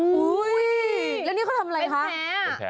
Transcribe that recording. อุ้ยแล้วนี่เขาทำอะไรแท้